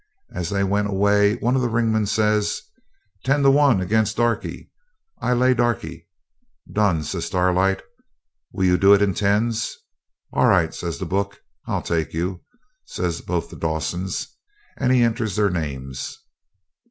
As they went away one of the ringmen says, 'Ten to one against Darkie. I lay Darkie.' 'Done,' says Starlight; 'will you do it in tens?' 'All right,' says the 'book'. 'I'll take you,' says both the Dawsons, and he entered their names.